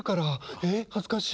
えうそはずかしい。